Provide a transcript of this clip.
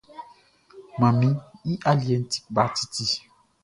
Manmi i aliɛʼn ti kpa titi.